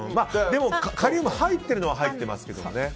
でもカリウムが入ってるのは入ってますけど。